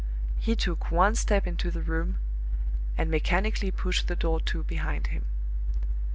He took one step into the room, and mechanically pushed the door to behind him.